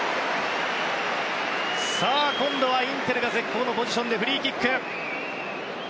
さあ、今度はインテルが絶好のポジションでフリーキック。